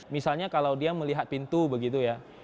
misalnya kalau dia melihat pintu begitu ya